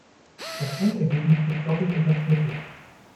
Das Endergebnis wird doppelt unterstrichen.